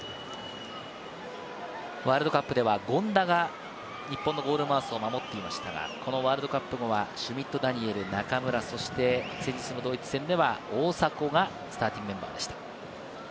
ワールドカップでは権田が日本のゴールを守っていましたが、ワールドカップ後はシュミット・ダニエル、中村、そして先日のドイツ戦では、大迫がスターティングメンバーでした。